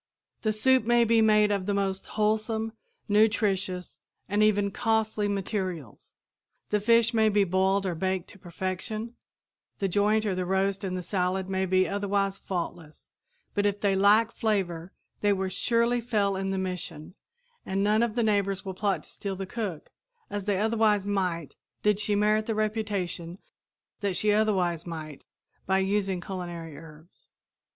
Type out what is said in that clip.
The soup may be made of the most wholesome, nutritious and even costly materials; the fish may be boiled or baked to perfection; the joint or the roast and the salad may be otherwise faultless, but if they lack flavor they will surely fail in their mission, and none of the neighbors will plot to steal the cook, as they otherwise might did she merit the reputation that she otherwise might, by using culinary herbs.